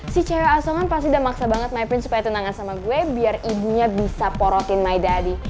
si c a songet pasti udah maksa banget my prince supaya tunangan sama gue biar ibunya bisa porotin my daddy